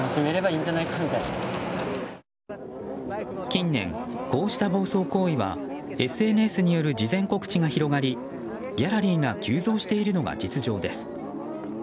近年、こうした暴走行為はＳＮＳによる事前告知が広がりギャラリーが急増しているのが実情です。